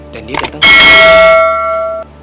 dan dia dateng ke rumahnya riu